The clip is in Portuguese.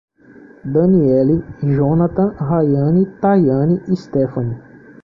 Danieli, Jhonatan, Rayane, Taiane e Stefani